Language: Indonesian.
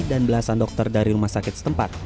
dan belasan dokter dari rumah sakit setempat